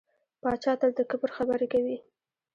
پاچا تل د کبر خبرې کوي .